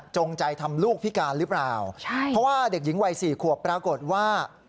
ใจทำลูกพิการหรือเปล่าใช่เพราะว่าเด็กหญิงวัยสี่ขวบปรากฏว่า